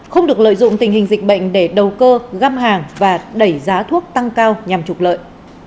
không được lợi dụng tình hình dịch bệnh để đầu cơ găm hàng và đẩy giá thuốc tăng cao nhằm trục lợi